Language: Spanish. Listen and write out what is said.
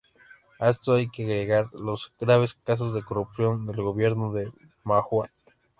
A esto hay que agregar, los graves casos de corrupción del gobierno de Mahuad.